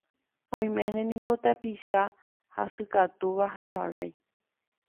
Oiméne niko tapicha hasykatúva hesarái.